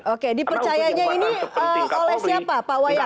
oke dipercayanya ini oleh siapa pak wayan